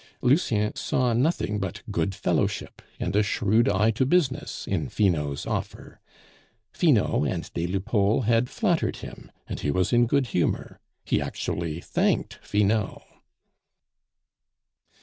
Lucien saw nothing but good fellowship and a shrewd eye to business in Finot's offer; Finot and des Lupeaulx had flattered him, and he was in a good humor. He actually thanked Finot!